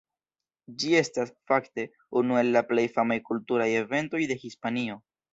Ĝi estas, fakte, unu el la plej famaj kulturaj eventoj de Hispanio.